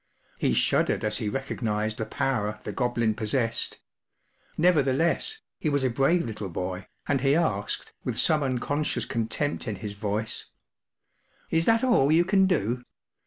He shuddered as he recognised the power the Goblin possessed; nevertheless, he was a brave little boy, and he asked, with some unconscious contempt in his voice \— “Is that all you can do?